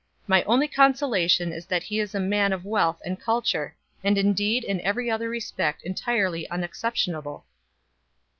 My only consolation is that he is a man of wealth and culture, and indeed in every other respect entirely unexceptionable."